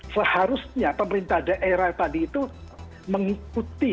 seharusnya pemerintah daerah tadi itu mengikuti